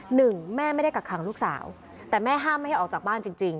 หนึ่งแม่ไม่ได้กักขังลูกสาวแต่แม่ห้ามไม่ให้ออกจากบ้านจริงจริง